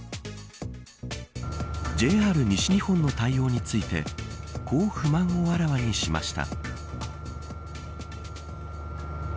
ＪＲ西日本の対応についてこう不満をあらわにしました。